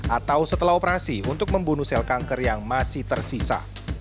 atau setelah operasi untuk membunuh sel kanker yang masih tersisa